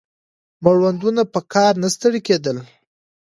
مړوندونه په کار نه ستړي کېدل